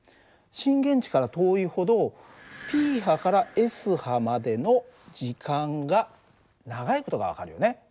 震源地から遠いほどＰ波からＳ波までの時間が長い事が分かるよね。